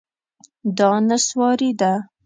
دا نسواري ده